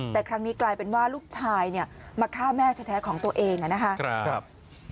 แต่ครั้งนี้กลายเป็นว่าลูกชายเนี่ยมาฆ่าแม่แท้ของตัวเองนะครับ